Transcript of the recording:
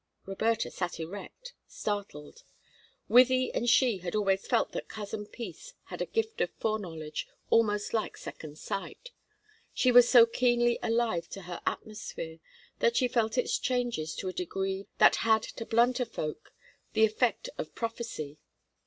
Roberta sat erect, startled. Wythie and she had always felt that Cousin Peace had a gift of foreknowledge almost like second sight; she was so keenly alive to her atmosphere that she felt its changes to a degree that had to blunter folk the effect of prophecy.